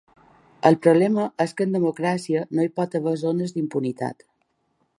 El problema és que en democràcia no hi pot haver zones d’impunitat.